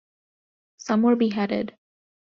Some were beheaded.